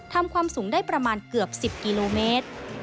ทำความสูงได้ประมาณเกือบ๑๐กิโลเมตร